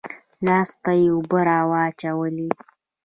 لاس ته يې اوبه رااچولې.